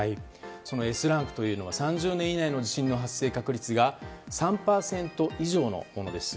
そのＳランクというのが３０年以内の地震の発生確率が３％以上のものです。